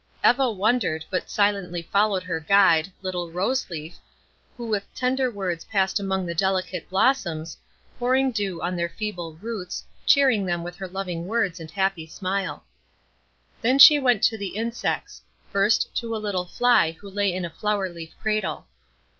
Eva wondered, but silently followed her guide, little Rose Leaf, who with tender words passed among the delicate blossoms, pouring dew on their feeble roots, cheering them with her loving words and happy smile. Then she went to the insects; first to a little fly who lay in a flower leaf cradle.